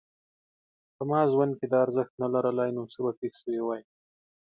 که ما ژوند کې دا ارزښت نه لرلای نو څه به پېښ شوي وای؟